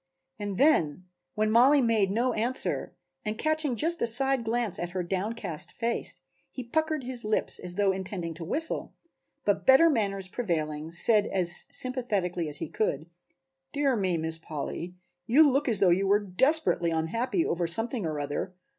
And then, when Mollie made no answer and catching just a side glance at her downcast face, he puckered his lips as though intending to whistle, but better manners prevailing said as sympathetically as he could: "Dear me, Miss Polly, you look as though you were desperately unhappy over something or other.